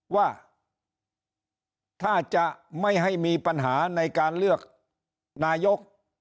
ว่าถ้าจะไม่ให้มีปัญหาในการเลือกนายก